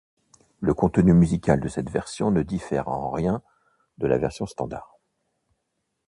Le contenu musical de cette version ne diffère en rien de la version standard.